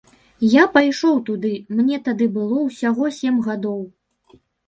Я пайшоў туды, мне тады было ўсяго сем гадоў.